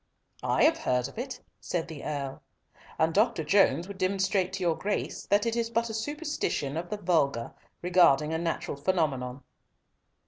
"I have heard of it," said the Earl, "and Dr. Jones would demonstrate to your Grace that it is but a superstition of the vulgar regarding a natural phenomenon."